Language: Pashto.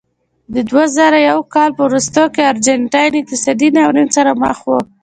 د دوه زره یو کال په وروستیو کې ارجنټاین اقتصادي ناورین سره مخ و.